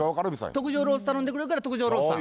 特上ロース頼んでくれるから特上ロースさん。